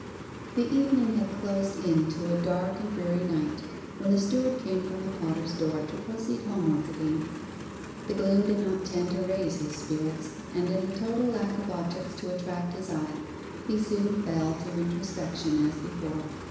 The evening had closed in to a dark and dreary night when the steward came from the potter's door to proceed homewards again. The gloom did not tend to raise his spirits, and in the total lack of objects to attract his eye, he soon fell to introspection as before.